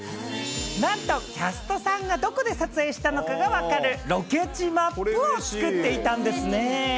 なんとキャストさんがどこで撮影したのかが分かるロケ地マップを作っていたんですね。